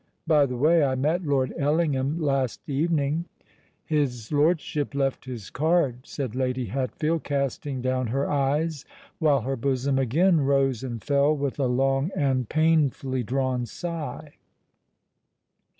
By the way, I met Lord Ellingham last evening——" "His lordship left his card," said Lady Hatfield, casting down her eyes, while her bosom again rose and fell with a long and painfully drawn sigh.